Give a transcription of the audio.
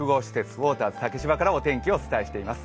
ウォーターズ竹芝からお天気をお伝えしています。